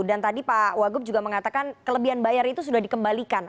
tadi pak wagub juga mengatakan kelebihan bayar itu sudah dikembalikan